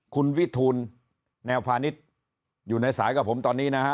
คุณวิทูลแนวพาณิชย์อยู่ในสายกับผมตอนนี้นะฮะ